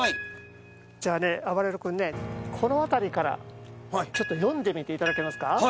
じゃあねあばれる君ねこの辺りからちょっと読んでみていただけますか。